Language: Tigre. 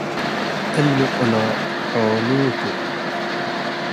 እሊ ቅሎ ሖሉ ቱ ።